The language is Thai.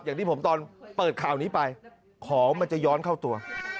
อย่างที่ผมตอนเปิดข่าวนี้ไปของมันจะย้อนเข้าตัว